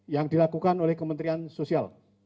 yang dilakukan oleh kementerian sosial